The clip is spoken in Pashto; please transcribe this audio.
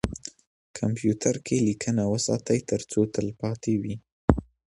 کمپیوتر کې لیکنه وساتئ ترڅو تلپاتې وي.